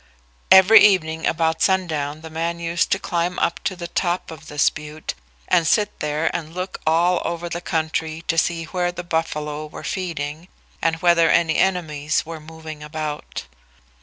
Every evening about sundown the man used to climb up to the top of this butte and sit there and look all over the country to see where the buffalo were feeding and whether any enemies were moving about.